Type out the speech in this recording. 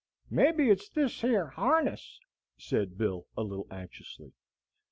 "Maybe it's this yer harness," said Bill, a little anxiously.